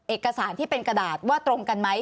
เอกสารที่เป็นกระดาษว่าตรงกันไหม